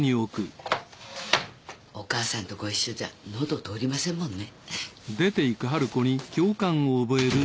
お義母さんとご一緒じゃ喉通りませんもんね。